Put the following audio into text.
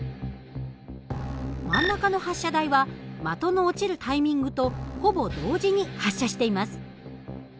真ん中の発射台は的の落ちるタイミングとほぼ同時に発射しています。